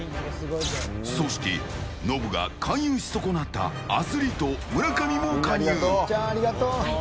そして、ノブが勧誘し損なったアスリート、村上も加入。